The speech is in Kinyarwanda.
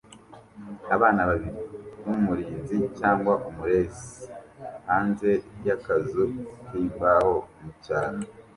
Abana babiri n'umurinzi cyangwa umurezi hanze y'akazu k'imbaho mu cyaro